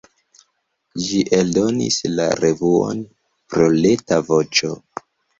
Ĝi eldonis la revuon "Proleta Voĉo".